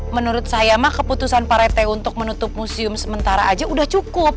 menurut saya mah keputusan pak rete untuk menutup musium sementara aja udah cukup